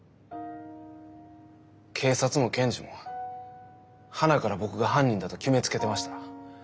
警察も検事もはなから僕が犯人だと決めつけてました。